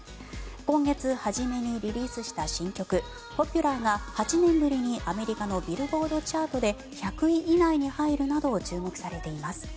今月初めにリリースした新曲「ポピュラー」が８年ぶりにアメリカのビルボードチャートで１００位以内に入るなど注目されています。